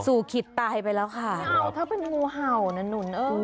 ขิดตายไปแล้วค่ะเห่าถ้าเป็นงูเห่านะหนุนเออ